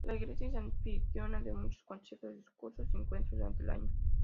La iglesia es anfitriona de muchos conciertos, discursos y encuentros durante el año.